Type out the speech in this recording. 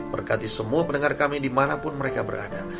berkati semua pendengar kami dimanapun mereka berada